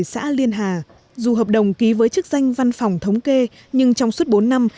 xã liên hà dù hợp đồng ký với chức danh văn phòng thống kê nhưng trong suốt bốn năm